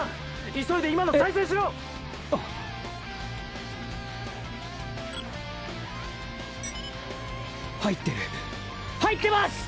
急いで今の再生しろ！入ってる入ってます！